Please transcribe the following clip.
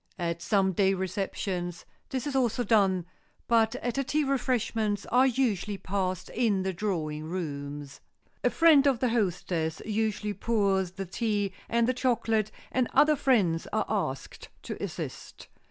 At some day receptions, this is also done, but at a tea refreshments are usually passed in the drawing rooms. A friend of the hostess usually pours the tea and the chocolate, and other friends are asked to assist.